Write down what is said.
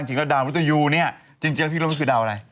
จริงแล้วดาวมรุตยูนี้จริงพี่ลูกคุณคือดาวอะไร